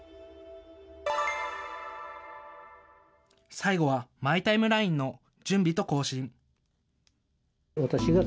最後はマイ・タイムラインの準備と更新。